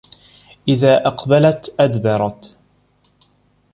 إذَا أَقْبَلَتْ أَدْبَرَتْ